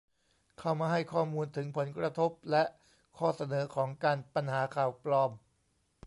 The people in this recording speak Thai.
เข้ามาให้ข้อมูลถึงผลกระทบและข้อเสนอของการปัญหาข่าวปลอม